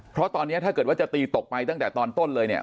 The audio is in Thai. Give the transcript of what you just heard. เพราะตอนนี้ถ้าเกิดว่าจะตีตกไปตั้งแต่ตอนต้นเลยเนี่ย